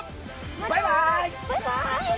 バイバイ！